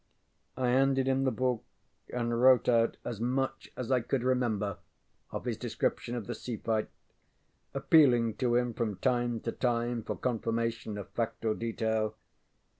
ŌĆØ I handed him the book and wrote out as much as I could remember of his description of the sea fight, appealing to him from time to time for confirmation of fact or detail.